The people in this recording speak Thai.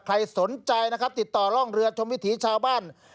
ใครสนใจนะครับติดต่อร่องเรือชมวิถีชาวบ้าน